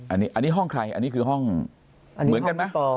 อันนี้ห้องใครอันนี้คือห้องเหมือนกันไหม